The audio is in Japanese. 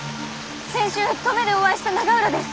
先週登米でお会いした永浦です。